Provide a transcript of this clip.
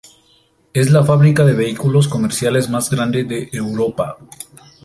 Es la fábrica de vehículos comerciales más grande de Europa.